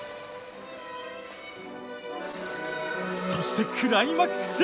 そしてクライマックス！